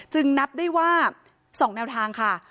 นับได้ว่า๒แนวทางค่ะ